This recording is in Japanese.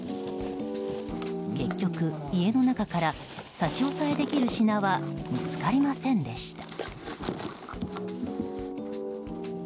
結局、家の中から差し押さえできる品は見つかりませんでした。